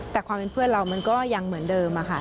แต่ความเป็นเพื่อนเรามันก็ยังเหมือนเดิมค่ะ